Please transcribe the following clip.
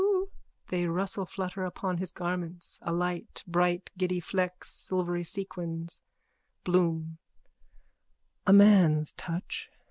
(They rustle, flutter upon his garments, alight, bright giddy flecks, silvery sequins.) BLOOM: A man's touch.